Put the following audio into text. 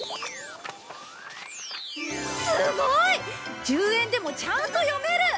すごい！１０円でもちゃんと読める！